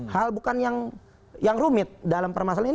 hal bukan yang rumit dalam permasalahan ini